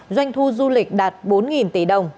doanh thu du lịch đạt bốn tỷ đồng